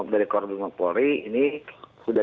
dari korbit polri ini sudah